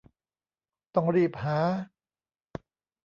ต้องรีบหา